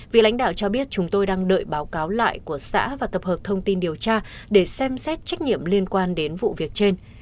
vị lãnh đạo cho biết chúng tôi đang đợi báo cáo lại của xã và tập hợp thông tin điều tra để xem xét trách nhiệm liên quan đến vụ việc trên